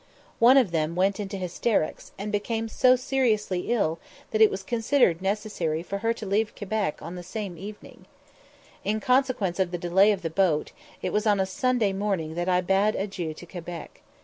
One of them went into hysterics, and became so seriously ill that it was considered necessary for her to leave Quebec the same evening. In consequence of the delay of the boat, it was on a Sunday morning that I bade adieu to Quebec.